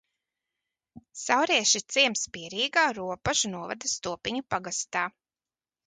Saurieši ir ciems Pierīgā Ropažu novada Stopiņu pagastā.